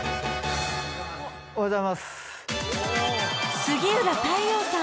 おはようございます。